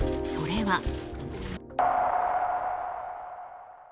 それは。